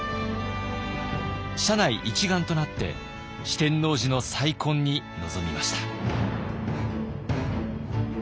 社内一丸となって四天王寺の再建に臨みました。